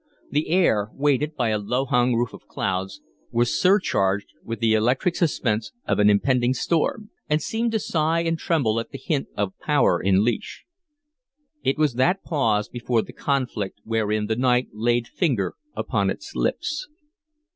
The air, weighted by a low hung roof of clouds, was surcharged with the electric suspense of an impending storm, and seemed to sigh and tremble at the hint of power in leash. It was that pause before the conflict wherein the night laid finger upon its lips.